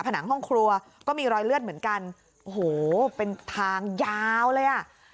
ผนังห้องครัวก็มีรอยเลือดเหมือนกันโอ้โหเป็นทางยาวเลยอ่ะ